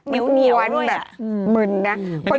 มันอวนแบบมึนนะ